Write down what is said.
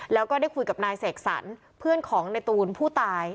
แล้วก็ได้คุยกับนายเสกสรรเพื่อนของในตูนผู้ตาย